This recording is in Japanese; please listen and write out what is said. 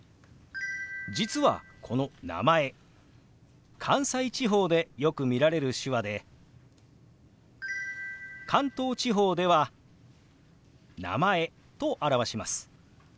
実はこの「名前」関西地方でよく見られる手話で関東地方では「名前」と表します。